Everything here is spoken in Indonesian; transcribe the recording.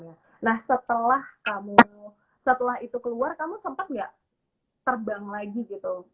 nah setelah kamu setelah itu keluar kamu sempat nggak terbang lagi gitu